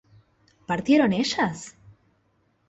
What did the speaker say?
¿partieron ellas?